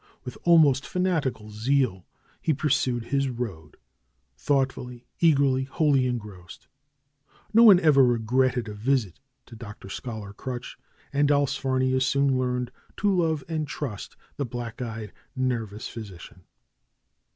With almost fanatical zeal he pursued his road ; thoughtfully, eagerly, wholly engrossed. No one ever regretted a visit to Dr. Scholar Crutch, and Allsfarnia soon learned to love and trust the black eyed, nervous physician.